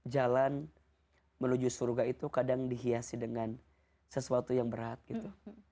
jalan menuju surga itu kadang dihiasi dengan sesuatu yang berat gitu